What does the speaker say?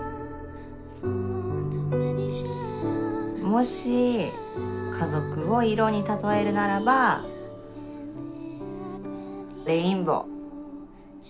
もし家族を色に例えるならばレインボー。